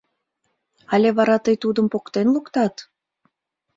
Але вара тый тудым поктен луктат?